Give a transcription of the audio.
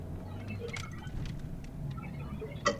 因此解唯一。